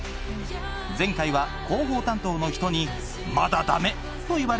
前回は広報担当の人に「まだダメ」と言われて